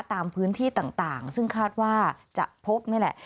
ตามพื้นที่ต่างซึ่งคาดว่าจะพบนี่แหละ